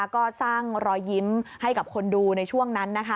ก็สร้างรอยยิ้มให้กับคนดูในช่วงนั้นนะคะ